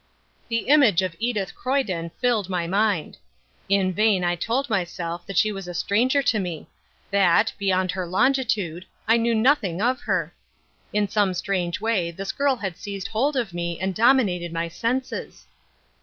The image of Edith Croyden filled my mind. In vain I told myself that she was a stranger to me: that beyond her longitude I knew nothing of her. In some strange way this girl had seized hold of me and dominated my senses.